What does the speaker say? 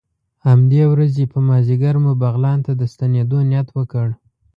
د همدې ورځې په مازدیګر مو بغلان ته د ستنېدو نیت وکړ.